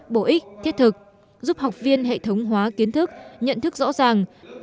bổ ích thiết thực giúp học viên hệ thống hóa kiến thức nhận thức rõ ràng